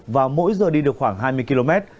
và mỗi giờ đi được khoảng hai mươi km